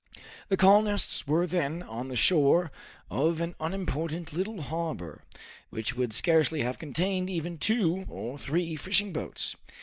The colonists were then on the shore of an unimportant little harbor, which would scarcely have contained even two or three fishing boats.